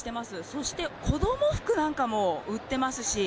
そして子ども服なんかも売ってますし。